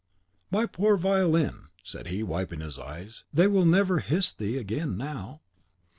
"My poor violin!" said he, wiping his eyes, "they will never hiss thee again now!"